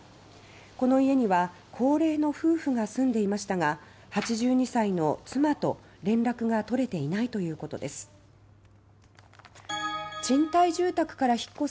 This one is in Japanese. この家には高齢の夫婦が住んでいましたが８２歳の妻と連絡が取れていないということです。